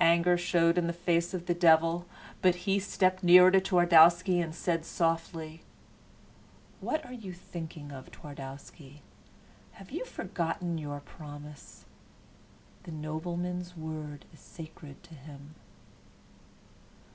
Anger showed in the face of the devil; but he stepped nearer to Twardowski and said softly: "What are you thinking of, Twardowski? Have you forgotten your promise? The nobleman's word is sacred to him."